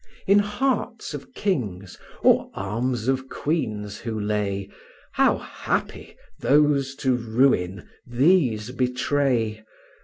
In hearts of kings, or arms of queens who lay, How happy! those to ruin, these betray.